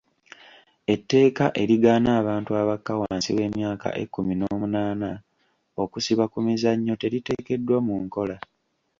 Etteeka erigaana abantu abakka wansi w'emyaka ekkumi n'omunaana okusiba ku mizannyo teriteekeddwa mu nkola.